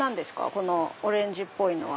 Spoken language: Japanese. このオレンジっぽいのは。